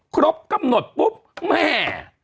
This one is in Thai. ครบกำหนดปุ๊บแม่